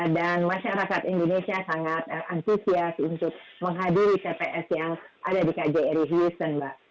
dan masyarakat indonesia sangat antusias untuk menghadiri cps yang ada di kj resilien